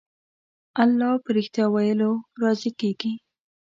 الله په رښتيا ويلو راضي کېږي.